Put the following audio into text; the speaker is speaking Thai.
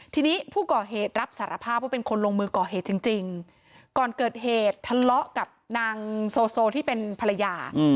ทีนี้ผู้ก่อเหตุรับสารภาพว่าเป็นคนลงมือก่อเหตุจริงก่อนเกิดเหตุทะเลาะกับนางโซที่เป็นภรรยา